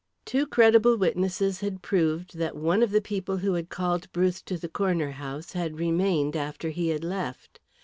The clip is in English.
Two credible witnesses had proved that one of the people who had called Bruce to the corner house had remained after he had left.